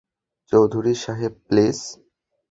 চৌধুরী সাহেব, প্লিজ।